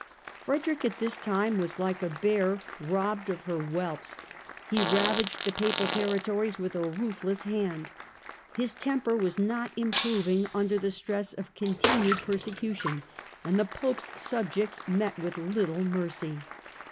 Frederick at this time was " like a bear robbed of her A NEW ENEMY 221 whelps." He ravaged the Papal territories with a ruth less hand. His temper was not improving under the stress of continued persecution and the Pope's subjects met with little mercy.